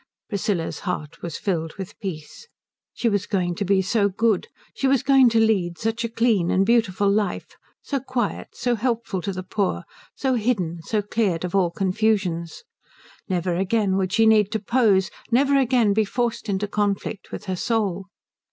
Priscilla's heart was filled with peace. She was going to be so good, she was going to lead such a clean and beautiful life, so quiet, so helpful to the poor, so hidden, so cleared of all confusions. Never again would she need to pose; never again be forced into conflict with her soul.